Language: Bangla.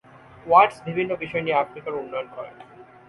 ওয়াটস বিভিন্ন বিষয় নিয়ে আফ্রিকার উন্নয়ন করেন।